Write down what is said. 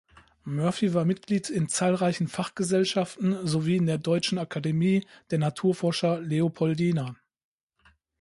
Murphy war Mitglied in zahlreichen Fachgesellschaften sowie in der Deutschen Akademie der Naturforscher Leopoldina.